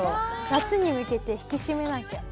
夏に向けて引き締めなきゃ。